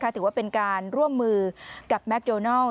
ถือว่าเป็นการร่วมมือกับแมคโดนัล